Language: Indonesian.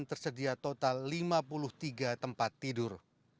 tersedia total lima puluh tiga tempat tidur